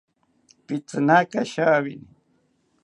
Pitzinaka shawini